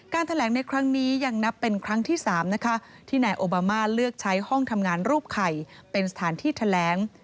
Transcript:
แถลงในครั้งนี้ยังนับเป็นครั้งที่๓นะคะที่นายโอบามาเลือกใช้ห้องทำงานรูปไข่เป็นสถานที่แถลง